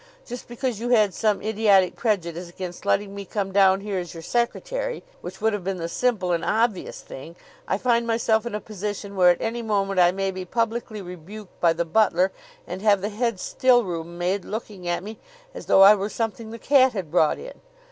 Just because you had some idiotic prejudice against letting me come down here as your secretary, which would have been the simple and obvious thing, I find myself in a position where at any moment I may be publicly rebuked by the butler and have the head stillroom maid looking at me as though I were something the cat had brought in."